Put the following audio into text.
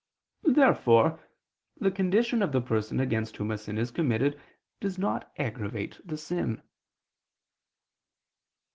Therefore the condition of the person against whom a sin is committed does not aggravate the sin.